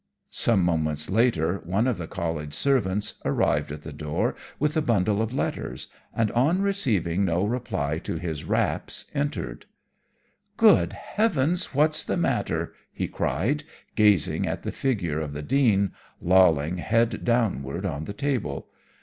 Some moments later one of the College servants arrived at the door with a bundle of letters, and on receiving no reply to his raps, entered. "'Good heavens! What's the matter?' he cried, gazing at the figure of the Dean, lolling head downward on the table.